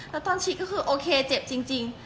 แล้วตอนฉีดก็คือโอเคเจ็บจริง